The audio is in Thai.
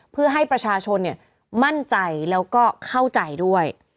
เพื่อให้ประชาชนมั่นใจแล้วก็เข้าใจด้วย